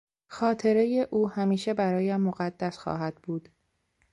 خاطرهی او همیشه برایم مقدس خواهد بود.